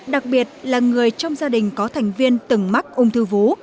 đặc biệt là người trong gia đình có thành viên từng mắc ung thư vú